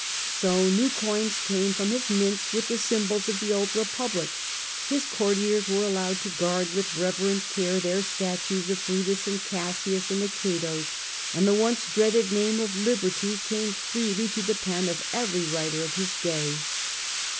So new coins came from his mints with the symbols of the old republic ; his courtiers were allowed to guard with reverent care their statues of Brutus and Cassius and the Catos, and the once dreaded name of liberty came freely to the pen of every writer of his day.